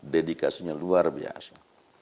dedikasinya luar biasa